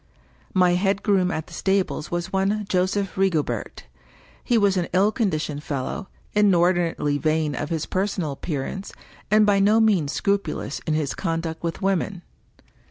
My head groom at the stables was one Joseph Rigobert. He was an ill conditioned fellow, inordinately vain of his personal appearance, and by no means scrupulous in his conduct with women.